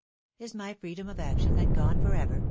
" Is ray freedom of action then gone for ever?"